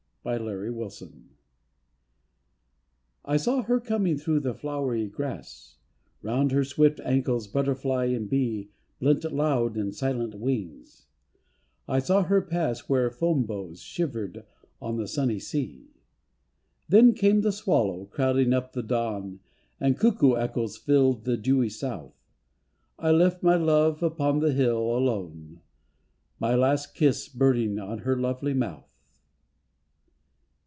2S3 SPRING LOVE I SAW her coming through the flowery grass, Round her swift ankles butterfly and bee Blent loud and silent wings; I saw her pass Where foam bows shivered on the sunny sea. Then came the swallow crowding up the dawn, And cuckoo echoes filled the dewy South. I left my love upon the hill, alone, My last kiss burning on her lovely mouth.